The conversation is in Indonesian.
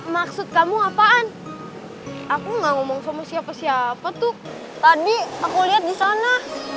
maksud kamu apaan aku gak ngomong sama siapa siapa tuh tadi aku lihat di sana